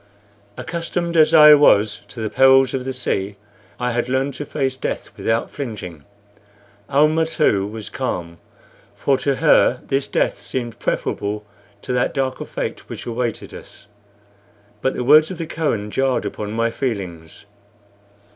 Accustomed as I was to the perils of the sea, I had learned to face death without flinching. Almah, too, was calm, for to her this death seemed preferable to that darker fate which awaited us; but the words of the Kohen jarred upon my feelings.